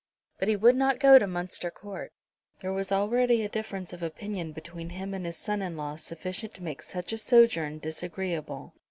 But he would not go to Munster Court. There was already a difference of opinion between him and his son in law sufficient to make such a sojourn disagreeable.